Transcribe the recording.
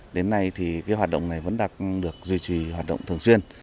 đến nay thì cái hoạt động này vẫn đang được duy trì hoạt động thường xuyên